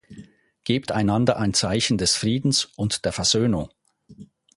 Gebt einander ein Zeichen des Friedens und der Versöhnung.